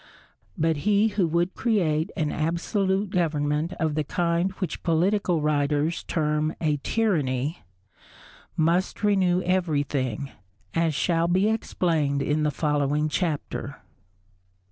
But he who would create an absolute government of the kind which political writers term a tyranny, must renew everything, as shall be explained in the following Chapter.